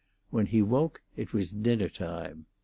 When he woke it was dinner time.